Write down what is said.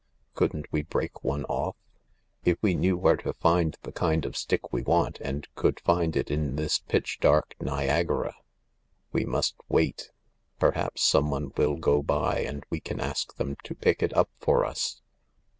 " Couldn't we break one off ?"" If we knew where to find the kind of stick we want, and could find it in this pitch dark Niagara." " We must wait ; perhaps someone will go by and we can ask them to pick it up for us."